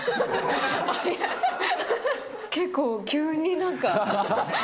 結構、急になんか。